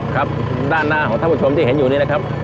ครับด้านหน้าของท่านผู้ชมที่เห็นอยู่นี้นะครับ